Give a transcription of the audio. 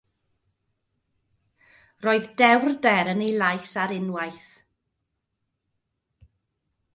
Roedd dewrder yn ei lais ar unwaith.